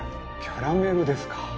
キャラメルですか？